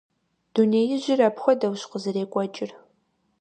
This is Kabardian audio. Дунеижьыр апхуэдэущ къызэрекӀуэкӀыр.